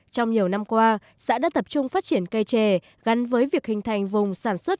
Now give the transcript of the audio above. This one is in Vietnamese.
trong nhiều năm qua xã đã tập trung phát triển cây trè gắn với việc hình thành vùng sản xuất